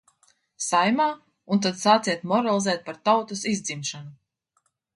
Saeimā, un tad sāciet moralizēt par tautas izdzimšanu!